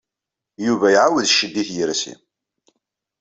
Yuba iɛawed ccedd i tyersi.